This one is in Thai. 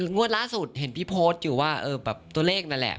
งวดล่าสุดเห็นพี่โพสต์อยู่ว่าแบบตัวเลขนั่นแหละ